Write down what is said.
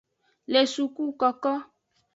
Le sukukoko.